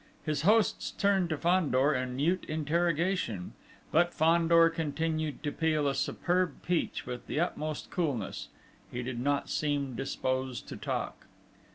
His hosts turned to Fandor in mute interrogation.... But Fandor continued to peel a superb peach with the utmost coolness: he did not seem disposed to talk.